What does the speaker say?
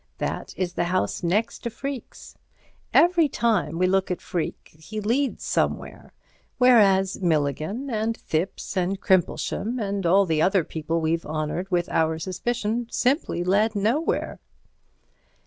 That is the house next to Freke's. Every time we look at Freke, he leads somewhere, whereas Milligan and Thipps and Crimplesham and all the other people we've honoured with our suspicion simply led nowhere."